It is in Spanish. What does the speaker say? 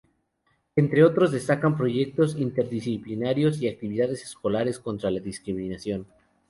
Entre otros destacan proyectos interdisciplinarios y actividades escolares contra la discriminación.